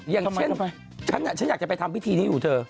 อย่างเช่นฉันฉันอยากจะไปทำพิธีนี้อยู่เธอ